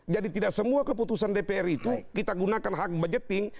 jadi tidak semua keputusan dprd itu kita gunakan hak budgeting